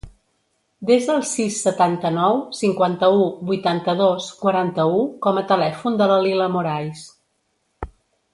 Desa el sis, setanta-nou, cinquanta-u, vuitanta-dos, quaranta-u com a telèfon de la Lila Morais.